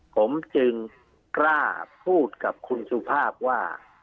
ผมจึงกล้าพูดกับคุณสุภาพว่า